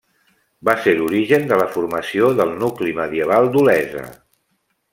Va ser l'origen de la formació del nucli medieval d'Olesa.